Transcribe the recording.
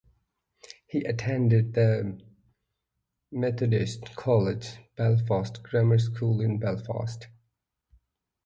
He attended the Methodist College Belfast grammar school in Belfast.